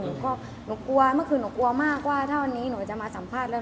หนูก็กลัวเมื่อกี้หนูกลัวมากว่าถ้าวันนี้หนูจะมาสัมภาษณ์แล้ว